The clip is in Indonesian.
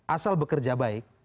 asal bekerja baik